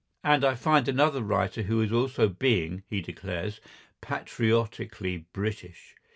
And I find another writer who is also being, he declares, patriotically British.